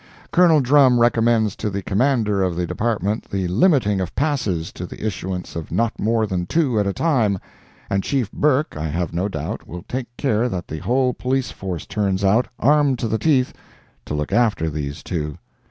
Col. Drumn recommends to the Commander of the Department the limiting of passes to the issuance of not more than two at a time—and Chief Burke, I have no doubt, will take care that the whole police force turns out, armed to the teeth, to look after these two.